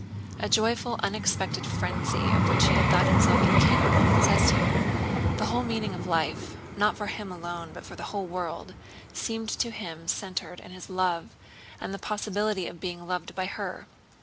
A joyful, unexpected frenzy, of which he had thought himself incapable, possessed him. The whole meaning of life—not for him alone but for the whole world—seemed to him centered in his love and the possibility of being loved by her.